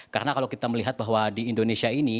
karena kalau kita melihat bahwa di indonesia ini